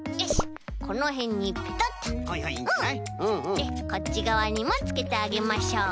でこっちがわにもつけてあげましょう。